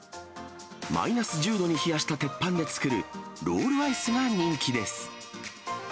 マイナス１０度に冷やした鉄板で作る、ロールアイスが人気です。